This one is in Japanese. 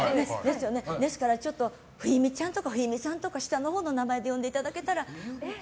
ですから、冬美ちゃんとか冬美さんとか下のほうの名前で呼んでいただけたら。